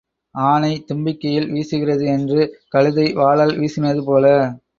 ஆனை தும்பிக்கையில் வீசுகிறது என்று கழுதை வாலால் வீசினது போல.